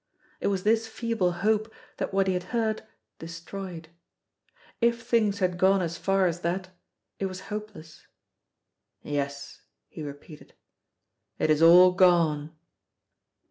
It was this feeble hope that what he had heard destroyed. If things had gone as far as that it was hopeless. "Yes," he repeated, "it is all gone."